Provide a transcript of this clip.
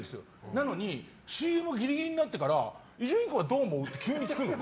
なのにＣＭギリギリになってから伊集院君はどう思う？って急に聞くの。